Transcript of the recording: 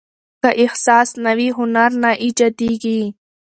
که احساس نه وي، هنر نه ایجاديږي.